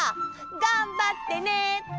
「がんばってね！」とか。